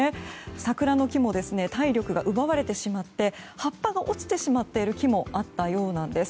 桜の木も体力が奪われてしまって葉っぱが落ちてしまっている木もあったようなんです。